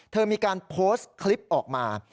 เธอมีการโพสต์คลิปออกมา